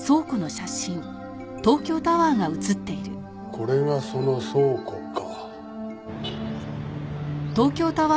これがその倉庫か。